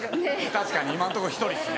確かに今のとこ１人ですね。